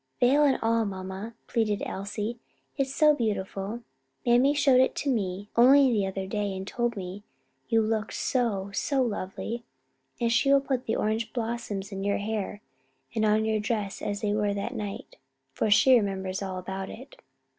"Veil and all, mamma," pleaded Elsie, "it is so beautiful Mammy showed it to me only the other day and told me you looked so, so lovely; and she will put the orange blossoms in your hair and on your dress just as they were that night; for she remembers all about it."